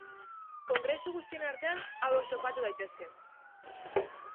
Kongresu guztien artean, hauek topatu daitezke.